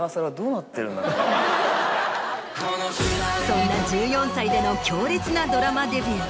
そんな１４歳での強烈なドラマデビュー。